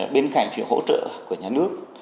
bên cạnh sự hỗ trợ của nhà nước